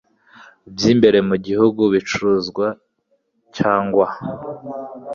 by imbere mu gihugu ibicuruzwa cyangwa